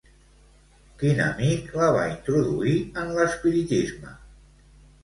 Quin amic la va introduir en l'espiritisme?